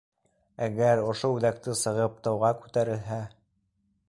Әгәр ошо үҙәкте сығып, тауға күтәрелһә...